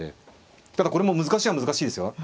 ただこれも難しいは難しいですよ。